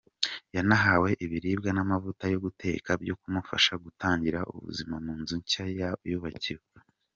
Yanahawe ibiribwa n’amavuta yo guteka byo kumufasha gutangira ubuzima mu nzu nshya yubakiwe.